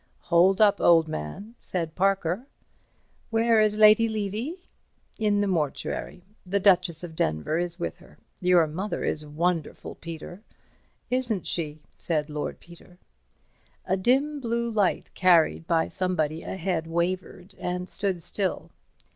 "Hold up, old man," said Parker. "Where is Lady Levy?" "In the mortuary; the Duchess of Denver is with her. Your mother is wonderful, Peter." "Isn't she?" said Lord Peter. A dim blue light carried by somebody ahead wavered and stood still.